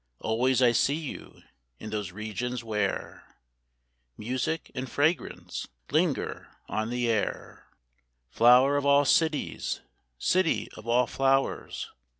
Always I see you in those regions where Music and fragrance linger on the air. Flower of all Cities ! City of all Flowers